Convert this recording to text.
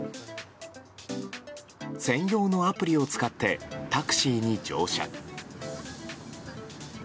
専用のアプリを使ってタクシーに乗車。